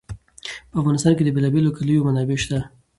په افغانستان کې د بېلابېلو کلیو منابع شته.